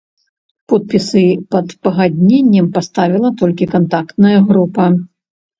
Подпісы пад пагадненнем паставіла толькі кантактная група.